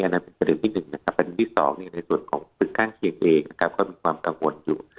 นั่นเป็นประเด็นที่๑นะครับประเด็นที่๒ในส่วนของตึกข้างเคียงเองนะครับก็มีความกังวลอยู่